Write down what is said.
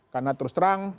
karena terus terang